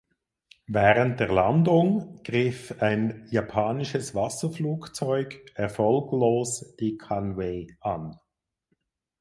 Während der Landung griff ein japanisches Wasserflugzeug erfolglos die "Conway" an.